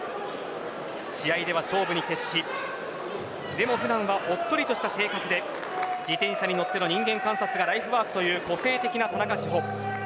試合では勝負に徹しでも普段はおっとりとした性格で自転車に乗っての人間観察がライフワークという個性的な田中志歩です。